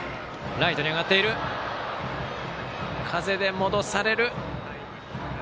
風で戻される。